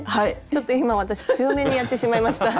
ちょっと今私強めにやってしまいました。